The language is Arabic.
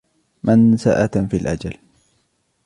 مَنْسَأَةٌ فِي الْأَجَلِ